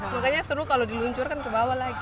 makanya seru kalau diluncurkan ke bawah lagi